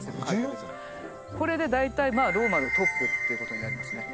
これで大体ローマのトップっていうことになりますね。